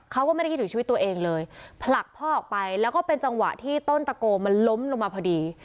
เขาก็ไม่ได้คิดถึงชีวิตตัวเองเลยผลักพ่อออกไปแล้วก็เป็นจังหวะที่ต้นตะโกมันล้มลงมาพอดี